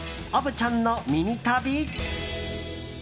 虻ちゃんのミニ旅。